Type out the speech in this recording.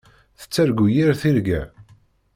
Tettargu yir tirga.